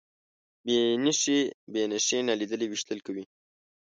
بې نښې نالیدلي ویشتل کوي.